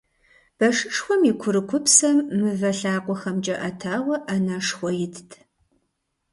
Пэшышхуэм и курыкупсым мывэ лъакъуэхэмкӀэ Ӏэтауэ Ӏэнэшхуэ итт.